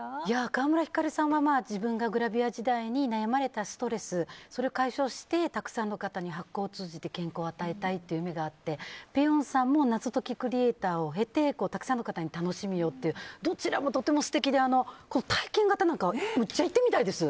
川村ひかるさんは自分がグラビア時代に悩まれたストレスを解消してたくさんの方に発酵を通じて健康を与えたいという夢があってぺよんさんも謎解きクリエーターを経てたくさんの方に楽しみをとどちらもとても素敵で体験型なんかむっちゃ行ってみたいです。